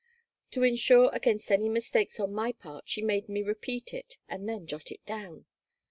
To insure against any mistakes on my part she made me repeat it and then jot it down.